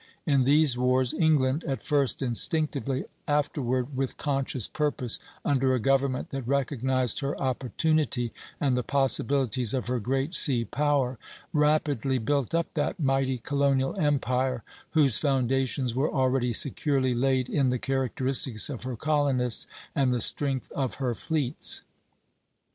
In these wars England, at first instinctively, afterward with conscious purpose under a government that recognized her opportunity and the possibilities of her great sea power, rapidly built up that mighty colonial empire whose foundations were already securely laid in the characteristics of her colonists and the strength of her fleets.